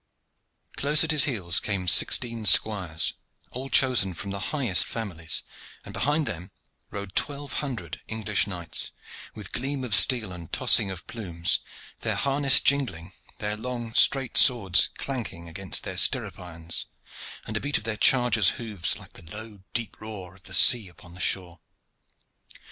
Close at his heels came sixteen squires, all chosen from the highest families, and behind them rode twelve hundred English knights, with gleam of steel and tossing of plumes, their harness jingling, their long straight swords clanking against their stirrup irons, and the beat of their chargers' hoofs like the low deep roar of the sea upon the shore.